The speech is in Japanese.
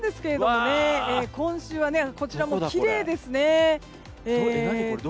こちらもきれいですね。